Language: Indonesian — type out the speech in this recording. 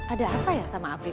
ada apa ya sama apri